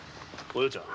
お葉ちゃん。